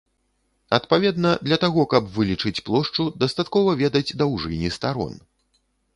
Адпаведна, для таго каб вылічыць плошчу дастаткова ведаць даўжыні старон.